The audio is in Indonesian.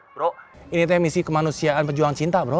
bro ini teh misi kemanusiaan pejuang cinta bro